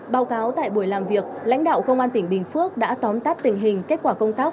báo cáo tại buổi làm việc lãnh đạo công an tỉnh bình phước đã tóm tắt tình hình kết quả công tác